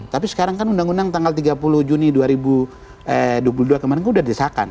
tapi sekarang kan undang undang tanggal tiga puluh juni dua ribu dua puluh dua kemarin itu sudah disahkan